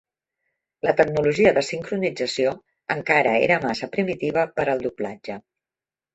La tecnologia de sincronització encara era massa primitiva per al doblatge.